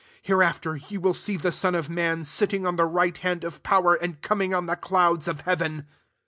Hereafter ye will see the Son of man sitting on the right hand of power, and coming on the clouds of heaven."